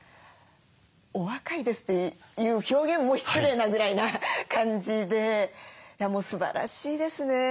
お若いですという表現も失礼なぐらいな感じでもうすばらしいですね。